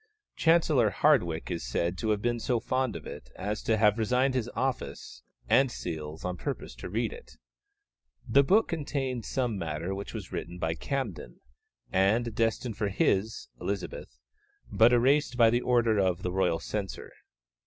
Chancellor Hardwicke is said to have been so fond of it as to have resigned his office and seals on purpose to read it. The book contains some matter which was written by Camden, and destined for his Elizabeth, but erased by order of the royal censor.